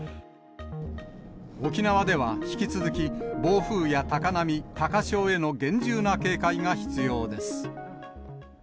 沖縄では、引き続き暴風や高波、高潮への厳重な警戒が必要です。